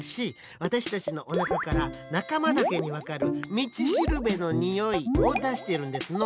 わたしたちのおなかからなかまだけにわかる「みちしるべのにおい」をだしているんですの。